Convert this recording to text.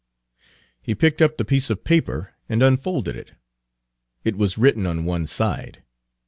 He picked up the piece of paper and unfolded it. It was written on one side.